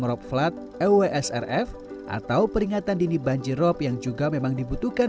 merok flat ewsrf atau peringatan dini banjir rob yang juga memang dibutuhkan